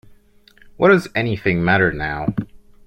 What does anything matter now?